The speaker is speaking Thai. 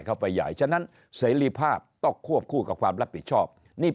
เข้าไปใหญ่ฉะนั้นเสรีภาพต้องควบคู่กับความรับผิดชอบนี่